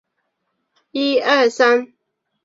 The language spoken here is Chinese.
其也被誉为尼泊尔的国民美食。